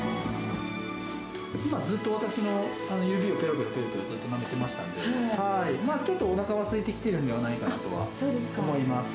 今、ずっと私の指をぺろぺろぺろぺろずっとなめてましたんで、ちょっと、おなかはすいてきているんではないかなとは思います。